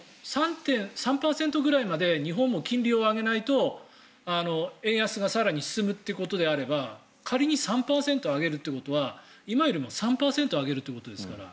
３％ぐらいまで日本も金利を上げないと円安が更に進むということであれば仮に３％上げるということは今よりも３％上げるということですから。